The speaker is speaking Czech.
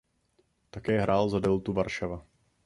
Také hrál za Deltu Varšava.